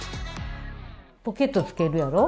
ポケットつけるやろ。